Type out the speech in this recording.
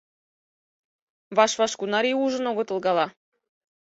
Ваш-ваш кунар ий ужын огытыл гала?